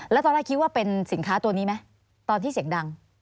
แล้วตอนแรกคิดว่าเป็นสินค้าตัวนี้ไหมตอนที่เสียงดัง